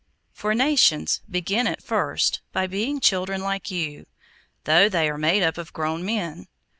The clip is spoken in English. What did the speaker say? For nations begin at first by being children like you, though they are made up of grown men.